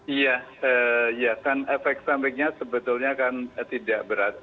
iya kan efek sampingnya sebetulnya kan tidak berat